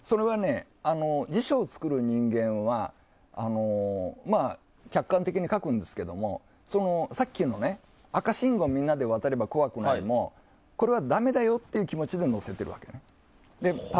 辞書を作る人間は客観的に書くんですがさっきの赤信号みんなで渡れば怖くないもこれはダメだよっていう気持ちで載せているわけです。